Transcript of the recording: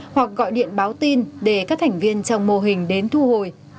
hoặc gọi điện báo tin để các thành viên trong mô hình đến thu hồi